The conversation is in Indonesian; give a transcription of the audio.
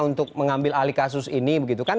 untuk mengambil alih kasus ini begitu kan